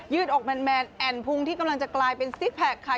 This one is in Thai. ืดอกแมนแอ่นพุงที่กำลังจะกลายเป็นซิกแพคค่ะ